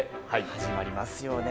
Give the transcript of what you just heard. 始まりますよね。